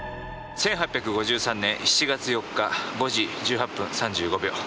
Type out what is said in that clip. １８５３年７月４日５時１８分３５秒。